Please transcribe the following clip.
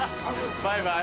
バイバイ。